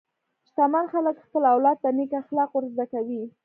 شتمن خلک خپل اولاد ته نېک اخلاق ورزده کوي.